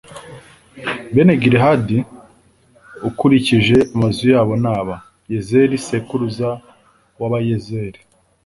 bene gilihadi, ukurikije amazu yabo ni aba: yezeri sekuruza w’abayezeri.